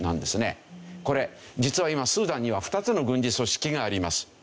これ実は今スーダンには２つの軍事組織があります。